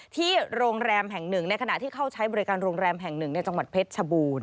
ที่โรงแรมแห่งหนึ่งในขณะที่เข้าใช้บริการโรงแรมแห่งหนึ่งในจังหวัดเพชรชบูรณ